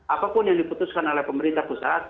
apapun yang diputuskan oleh pemerintah pusat